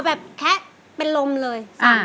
เอ้อแคะเป็นรมเลย